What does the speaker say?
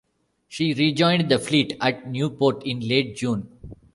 She rejoined the fleet at Newport in late June.